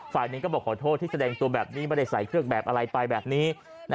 ฝ่ายหนึ่งก็บอกขอโทษที่แสดงตัวแบบนี้ไม่ได้ใส่เครื่องแบบอะไรไปแบบนี้